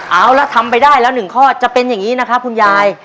เอาละทำไปได้แล้ว๑ข้อจะเป็นอย่างนี้นะครับคุณยาย